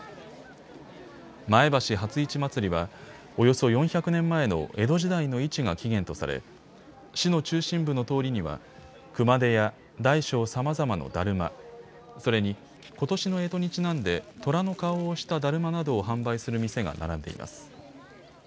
前橋初市まつりはおよそ４００年前の江戸時代の市が起源とされ市の中心部の通りには熊手や大小さまざまのだるま、それにことしのえとにちなんでとらの顔をしただるまなどを販売する店が並んでいます。